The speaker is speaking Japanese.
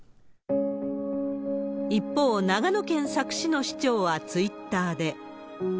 一方、長野県佐久市の市長はツイッターで。